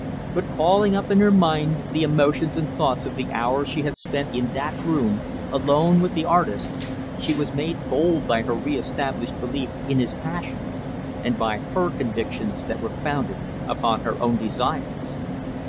But, calling up in her mind the emotions and thoughts of the hours she had spent in that room alone with the artist, she was made bold by her reestablished belief in his passion and by her convictions that were founded upon her own desires.